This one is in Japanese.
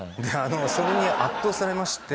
それに圧倒されまして。